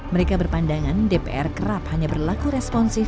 mereka berpandangan dpr kerap hanya berlaku responsif